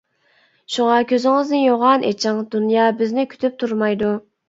شۇڭا، كۆزىڭىزنى يوغان ئېچىڭ، دۇنيا بىزنى كۈتۈپ تۇرمايدۇ.